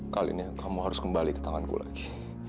kali ini kamu harus kembali ke tanganku lagi